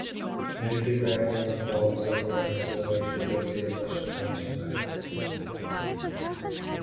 Military bands or corps of drums were historically the first marching bands.